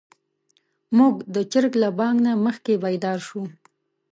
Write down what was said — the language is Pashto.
موږ د چرګ له بانګ نه مخکې بيدار شوو.